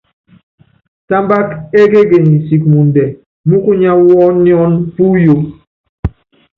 Támbák ékekenyi siki muundɛ múkúnyá wɔ́ɔ́níɔ́n puyó.